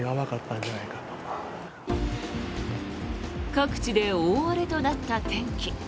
各地で大荒れとなった天気。